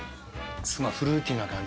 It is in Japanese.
フルーティーな感じ。